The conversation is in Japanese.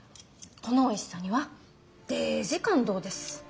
このおいしさにはデージ感動です。